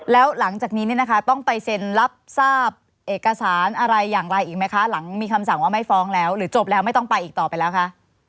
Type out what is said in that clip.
แล้วหลังจากนี้เนี่ยนะคะต้องไปเซ็นรับทราบเอกสารอะไรอย่างไรอีกไหมคะหลังมีคำสั่งว่าไม่ฟ้องแล้วหรือจบแล้วไม่ต้องไปอีกต่อไปแล้วคะ